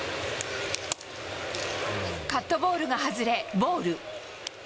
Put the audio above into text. カットボールが外れボール。